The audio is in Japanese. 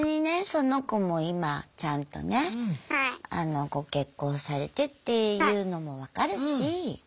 その子も今ちゃんとねご結婚されてっていうのも分かるし。